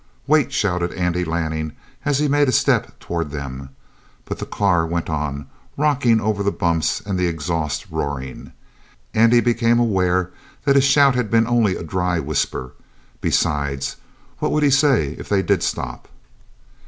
"Wait!" shouted Andy Lanning as he made a step toward them. But the car went on, rocking over the bumps and the exhaust roaring. Andy became aware that his shout had been only a dry whisper. Besides, what would he say if they did stop?